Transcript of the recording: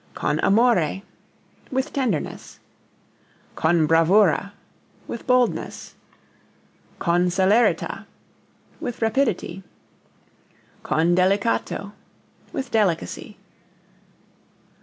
Con amore with tenderness. Con bravura with boldness. Con celerita with rapidity. Con delicato with delicacy.